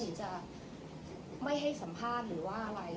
จะไม่ให้สัมภาษณ์หรือว่าอะไร